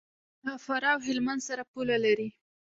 له فراه او هلمند سره پوله لري.